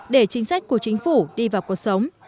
để chính sách của chính phủ đi vào cuộc sống